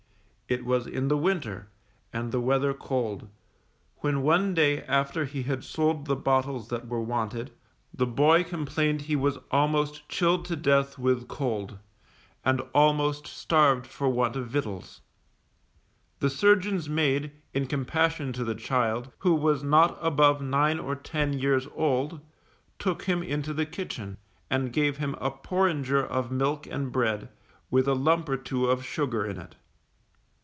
It was in the winter, and the weather cold, when one day after he had sold the bottles that were wanted, the boy complained he was almost chilled to death with cold, and almost starved for want of victuals. The surgeon's maid, in compassion to the child, who was not above nine or ten years old, took him into the kitchen, and gave him a porringer of milk and bread, with a lump or two of sugar in it.